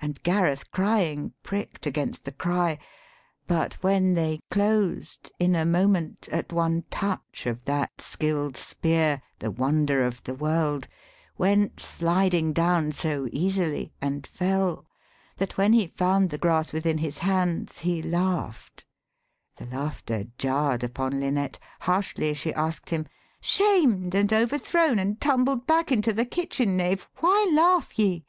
And Gareth crying prick'd against the cry; But when they closed in a moment at one touch Of that skill 'd spear, the wonder of the world Went sliding down so easily, and fell, That when he found the grass within his hands He laugh'd; the laughter jarr'd upon Lynette: Harshly she ask'd him, ' Shamed and overthrown, And tumbled back into the kitchen knave, Why laugh ye